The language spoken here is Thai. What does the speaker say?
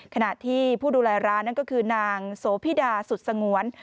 ขณะที่ผู้ดูแลร้านนั่นก็คือนางโสพิดาสุดสงวน